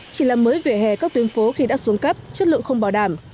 chỉ làm mới vỉa hè các tuyến phố khi đã xuống cấp chất lượng không bảo đảm